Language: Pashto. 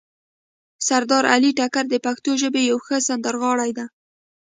سردار علي ټکر د پښتو ژبې یو ښه سندرغاړی ده